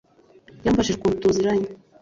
Yambajije ukuntu tuziranye